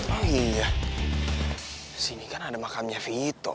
oh iya disini kan ada makamnya vito